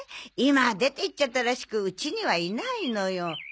今出ていっちゃったらしく家にはいないのよ。